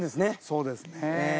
そうですね。